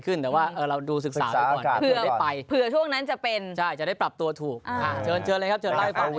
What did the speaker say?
เป็นฝึกศึกษาไว้ก่อนดีกว่า